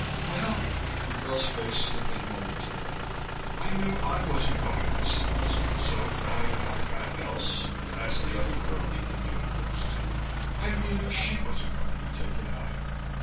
"Well " the girl's face stiffened momentarily "I knew I wasn't going to be seized. So Guy and I got Else, that's the other girl he'd been doing things to, and we knew she wasn't going to be taken either.